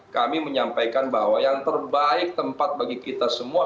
kami menyampaikan bahwa yang terbaik tempat bagi kita semua